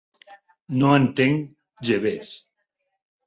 No t'entenc, Jeeves.